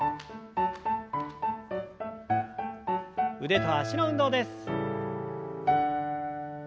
腕と脚の運動です。